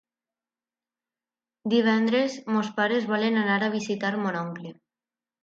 Divendres mons pares volen anar a visitar mon oncle.